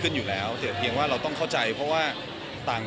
คุณแม่น้องให้โอกาสดาราคนในผมไปเจอคุณแม่น้องให้โอกาสดาราคนในผมไปเจอ